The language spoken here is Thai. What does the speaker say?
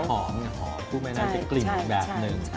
ก็จะหอมกุ้งแม่น้ำจะกลิ่นแบบหนึ่ง